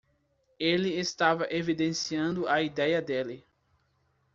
Ele estava evidenciando a idéia dele.